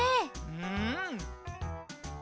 うん。